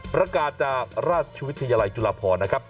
ประกาศจากราชวิทยาลัยจุฬาพรนะครับ